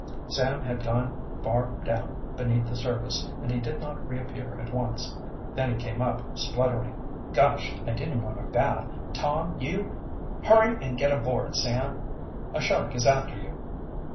Sam had gone far down beneath the surface and he did not reappear at once. Then he came up spluttering. "Gosh! I didn't want a bath! Tom, you " "Hurry and get aboard, Sam! A shark is after you!"